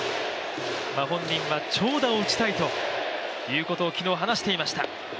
本人は長打を打ちたいということを昨日話していました。